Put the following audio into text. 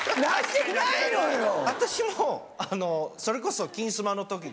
それこそ。